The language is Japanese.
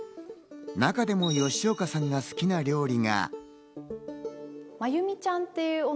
中でも吉岡さんが好きな料理は。